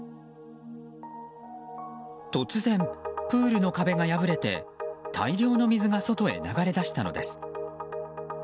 突然、プールの壁が破れて大量の水が外へ流れ出したのです。